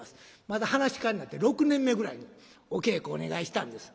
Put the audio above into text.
まだ噺家になって６年目ぐらいにお稽古お願いしたんです。